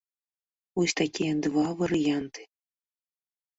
Вось такія два варыянты.